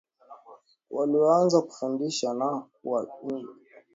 walioanza kufundisha na kuwabatiza Wahabeshi wengi Ndio mwanzo wa taifa